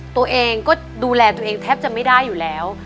ตัวเองก็ดูแลตัวเองแทบจะไม่ได้อยู่แล้ว